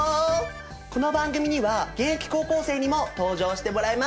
この番組には現役高校生にも登場してもらいます！